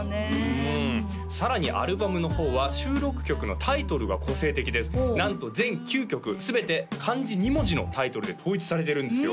うんさらにアルバムの方は収録曲のタイトルが個性的でなんと全９曲全て漢字２文字のタイトルで統一されてるんですよ